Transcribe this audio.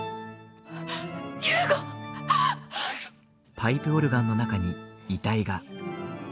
パイプオルガンの中に遺体が。